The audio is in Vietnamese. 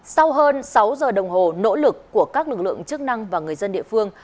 sau hơn sáu giờ đồng hồ nỗ lực của các lực lượng chức năng và người dân địa phương